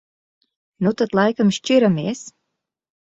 Nu tad laikam šķiramies.